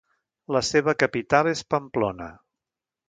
La seva capital és Pamplona.